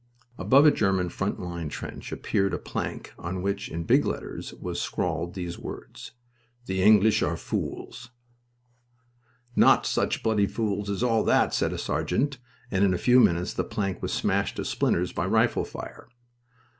Above a German front line trench appeared a plank on which, in big letters, was scrawled these words "The English are fools." "Not such bloody fools as all that!" said a sergeant, and in a few minutes the plank was smashed to splinters by rifle fire.